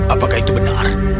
apakah itu benar